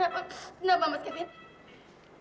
kenapa mas kevin